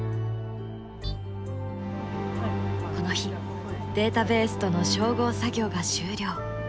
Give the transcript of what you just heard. この日データベースとの照合作業が終了。